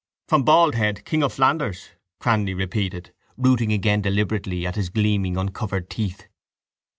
—From Baldhead, king of Flanders, Cranly repeated, rooting again deliberately at his gleaming uncovered teeth.